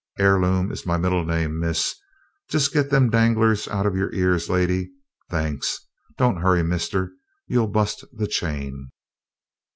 Heirloom is my middle name, miss. Just get them danglers out'n your ears, lady. Thanks! Don't hurry, mister; you'll bust the chain."